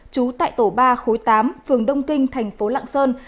trú tại tổ ba khối tám phường đông kinh thành phố lạng sơn